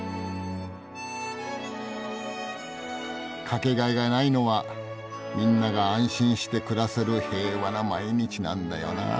掛けがえがないのはみんなが安心して暮らせる平和な毎日なんだよなぁ。